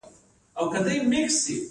ځکه غنم د بقا مسئله ده.